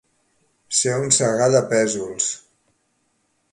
Ser un segar de pèsols.